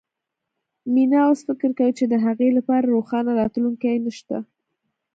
مينه اوس فکر کوي چې د هغې لپاره روښانه راتلونکی نه شته